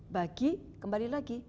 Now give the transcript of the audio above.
bagi kembali lagi